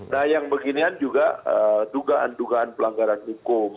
nah yang beginian juga dugaan dugaan pelanggaran hukum